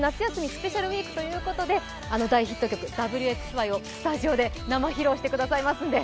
スペシャルウィークということで、あの大ヒット曲「Ｗ／ＸＹ」をスタジオで生披露してくださいますので。